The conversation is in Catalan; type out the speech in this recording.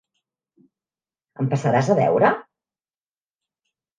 Em passaràs a veure?